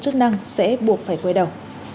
chức năng sẽ buộc phải quay đầu